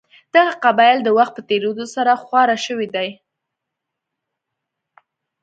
دغه قبایل د وخت په تېرېدو سره خواره شوي دي.